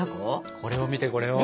これを見てこれを。